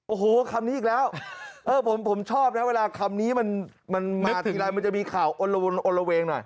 โอ้โหคำนี้อีกแล้วผมชอบนะเวลาคำนี้มันมาทีไรมันจะมีข่าวอลละเวงหน่อย